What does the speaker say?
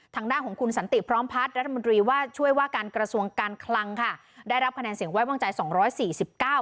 ทางด้านของคุณสันติพร้อมพัฒน์รัฐมนตรีว่าช่วยว่าการกระทรวงการคลังค่ะได้รับคะแนนเสียงไว้วางใจสองร้อยสี่สิบเก้า